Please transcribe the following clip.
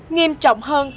nghiêm trọng hơn